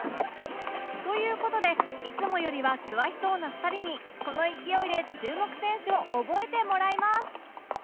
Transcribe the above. という事でいつもよりは詳しそうな２人にこの勢いで注目選手を覚えてもらいます